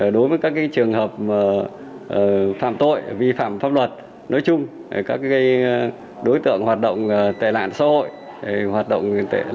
đối với các trường hợp phạm tội vi phạm pháp luật nói chung các đối tượng hoạt động tệ nạn xã hội